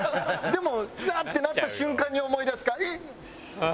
でもイヤッ！ってなった瞬間に思い出すからイッ。